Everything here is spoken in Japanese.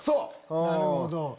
なるほど。